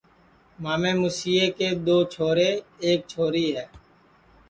مامے موسیے جے دو چھورے اور ایک چھوری ہے